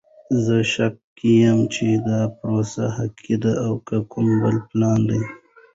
زه شکي یم چې دا پروسه حقیقی ده او که کوم بل پلان ده!